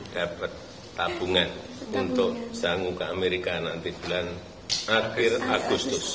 dapat tabungan untuk sanggup ke amerika nanti bulan akhir agustus